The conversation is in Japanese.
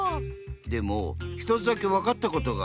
でもひとつだけわかったことがある。